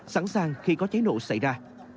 sẵn sàng khi có cháy nổ xảy ra